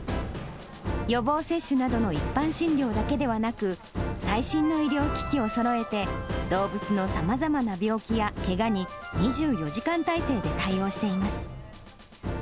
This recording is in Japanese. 予防接種などの一般診療だけではなく、最新の医療機器をそろえて、動物のさまざまな病気やけがに２４時間態勢で対応しています。